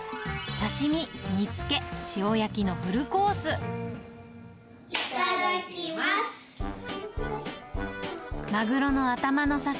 刺身、煮つけ、塩焼きのフルいただきます。